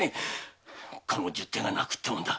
この十手が泣くってもんだ。